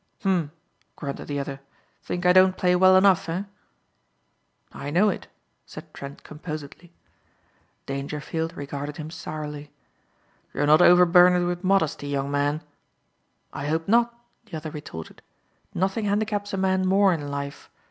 "Huh!" grunted the other, "think I don't play well enough, eh?" "I know it," said Trent composedly. Dangerfield regarded him sourly. "You're not overburdened with modesty, young man." "I hope not," the other retorted, "nothing handicaps a man more in life.